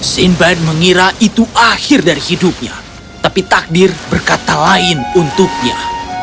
sinban mengira itu akhir dari hidupnya tapi takdir berkata lain untuknya